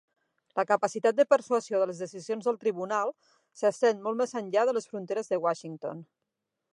La capacitat de persuasió de les decisions del Tribunal s'estén molt més enllà de les fronteres de Washington.